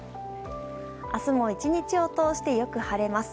明日も１日を通してよく晴れます。